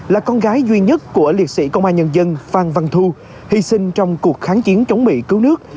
là con gái duy nhất của liệt sĩ công an nhân dân phan văn thu hy sinh trong cuộc kháng chiến chống mỹ cứu nước